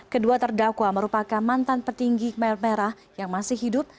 kedua terdakwa merupakan mantan petinggi kemer merah yang masih hidup